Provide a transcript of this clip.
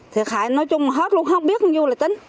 thì khai nói chung hết luôn không biết bao nhiêu là tính